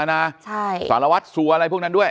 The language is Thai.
สารวัตรสัวอะไรพวกนั้นด้วย